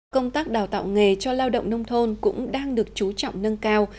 công tác đào tạo nghề cho lao động nông thôn cũng đang được chú trọng nâng cao